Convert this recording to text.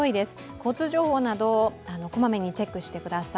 交通情報などこまめにチェックしてください。